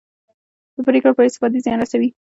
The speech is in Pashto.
د پرېکړو بې ثباتي زیان رسوي